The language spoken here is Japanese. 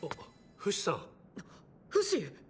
フシ⁉